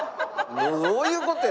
どういう事や！